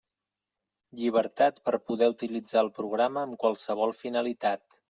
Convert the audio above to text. Llibertat per poder utilitzar el programa amb qualsevol finalitat.